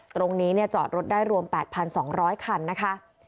ตรงนี้จอดรถได้รวม๘๒๐๐คันนะคะ